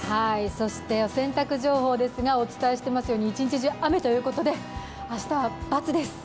そしてお洗濯情報ですがお伝えしていますように、一日中雨ということで明日は×です。